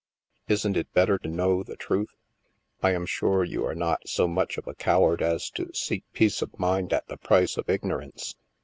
Isn't it better to know the truth? I am sure you are not so much of a coward as to seek peace of mind at the price of ignorance.